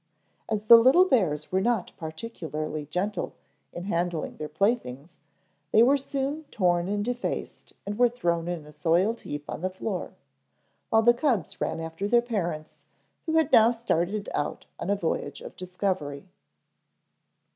As the little bears were not particularly gentle in handling their playthings they were soon torn and defaced and were thrown in a soiled heap on the floor, while the cubs ran after their parents, who had now started out on a voyage of discovery.